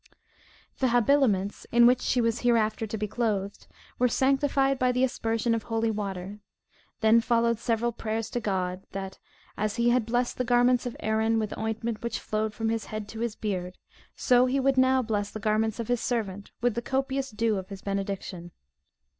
The habiliments, in which she was hereafter to be clothed, were sanctified by the aspersion of holy water: then followed several prayers to God, that "As he had blessed the garments of Aaron, with ointment which flowed from his head to his beard, so he would now bless the garments of his servant, with the copious dew of his benediction."